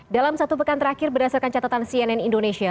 dalam satu pekan terakhir berdasarkan catatan cnn indonesia